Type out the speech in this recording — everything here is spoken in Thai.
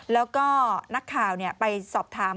แล้วก็นักข่าวไปสอบถาม